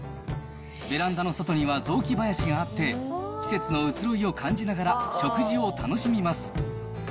ベランダの外には雑木林があって、季節の移ろいを感じながら食事を楽しみます。